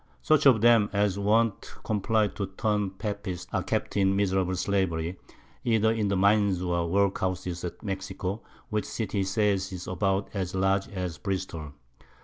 Such of them as won't comply to turn Papists are kept in miserable Slavery, either in the Mines or Workhouses at Mexico, which City he says, is about as large as Bristol.